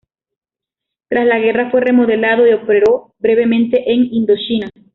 Tras la guerra fue remodelado, y operó brevemente en Indochina.